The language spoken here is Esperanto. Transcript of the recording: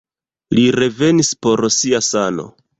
Li revenis por sia sano.